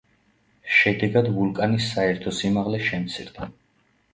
შედეგად ვულკანის საერთო სიმაღლე შემცირდა.